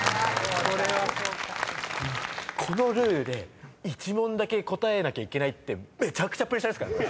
このルールで１問だけ答えなきゃいけないってめちゃくちゃプレッシャーですからね。